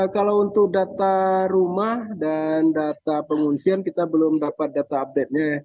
kalau untuk data rumah dan data pengungsian kita belum dapat data update nya ya